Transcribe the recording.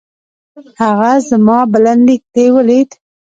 هغه زما بلنليک دې ولېد؟